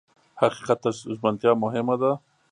حقیقت ته ژمنتیا مهمه وه.